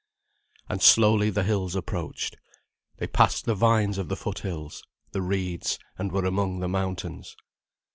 And slowly the hills approached—they passed the vines of the foothills, the reeds, and were among the mountains.